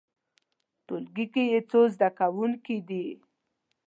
ټولګی کې څو زده کوونکي دي؟